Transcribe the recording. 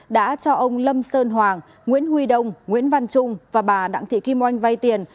đã cho ông lâm sơn hoàng nguyễn huy đông nguyễn văn trung và bà đặng thị kim oanh vay tiền